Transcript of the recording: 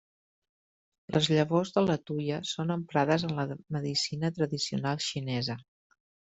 Les llavors de la tuia són emprades en la medicina tradicional xinesa.